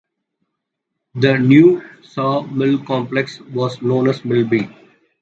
The new sawmill complex was known as "Mill B".